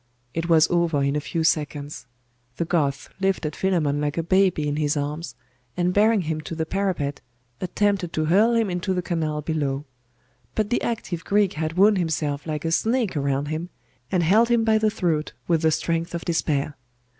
It was over in a few seconds. The Goth lifted Philammon like a baby in his arms, and bearing him to the parapet, attempted to hurl him into the canal below. But the active Greek had wound himself like a snake around him, and held him by the throat with the strength of despair.